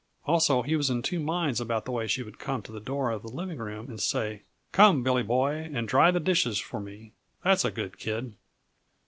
Also, he was in two minds about the way she would come to the door of the living room and say: "Come, Billy Boy, and dry the dishes for me that's a good kid!"